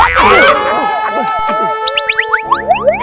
aduh aduh aduh